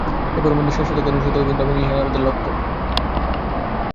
এই পরমানন্দ শাশ্বত জ্ঞানের সহিত অভিন্ন এবং ইহাই আমাদের লক্ষ্য।